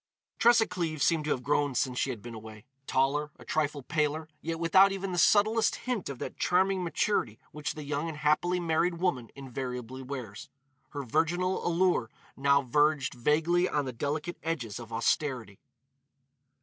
Tressa Cleves seemed to have grown since she had been away. Taller, a trifle paler, yet without even the subtlest hint of that charming maturity which the young and happily married woman invariably wears, her virginal allure now verged vaguely on the delicate edges of austerity.